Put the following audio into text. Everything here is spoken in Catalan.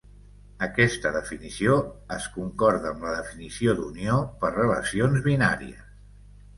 Aquesta definició es concorda amb la definició d'unió per relacions binàries.